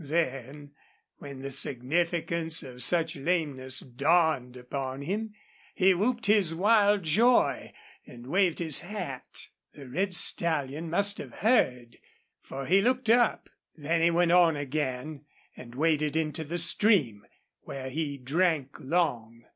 Then, when the significance of such lameness dawned upon him he whooped his wild joy and waved his hat. The red stallion must have heard, for he looked up. Then he went on again and waded into the stream, where he drank long.